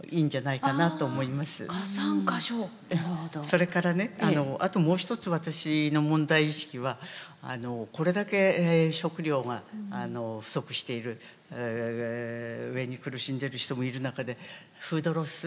それからねあともう一つ私の問題意識はこれだけ食料が不足している飢えに苦しんでる人もいる中でフードロス。